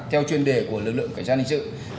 theo chuyên đề của lực lượng cảnh sát hình sự